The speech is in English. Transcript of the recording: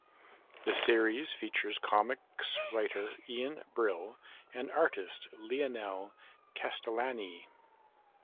The series featured comics writer Ian Brill, and artist Leonel Castellani.